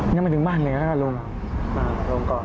ยังไม่ถึงบ้านเลยแล้วก็ลงอ้าว